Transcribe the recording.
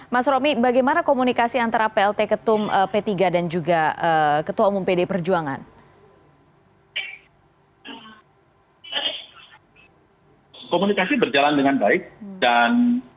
mas romi bagaimana komunikasi antara plt ketum p tiga dan juga ketua umum pd perjuangan